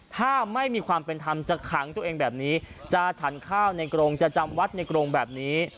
ถ้าไม่มีความเป็นธรรมจะขังตัวเองแบบนี้จะฉันข้าวในกรงจะจำวัดในกรงแบบนี้